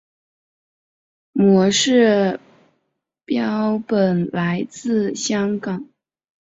模式标本来自香港。